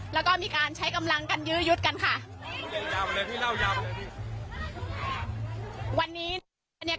แล้วก็มีการใช้กำลังกันยื้อยุดกันค่ะพี่เล่ายาวมาเลยพี่